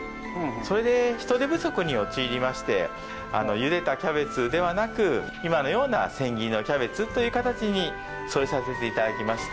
ゆでたキャベツではなく今のような千切りのキャベツという形に添えさせていただきました。